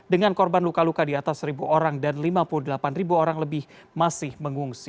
dengan korban luka luka di atas seribu orang dan lima puluh delapan ribu orang lebih masih mengungsi